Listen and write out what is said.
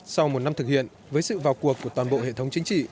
sau một năm thực hiện với sự vào cuộc của toàn bộ hệ thống chính trị